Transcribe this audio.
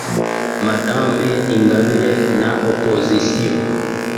Madame Ingabire na Opposition